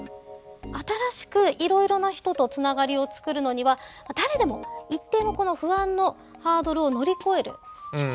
新しくいろいろな人とつながりを作るのには誰でも一定の不安のハードルを乗り越える必要があります。